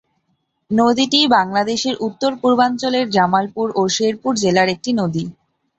নদীটি বাংলাদেশের উত্তর-পূর্বাঞ্চলের জামালপুর ও শেরপুর জেলার একটি নদী।